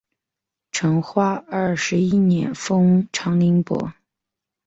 成化二十一年封长宁伯。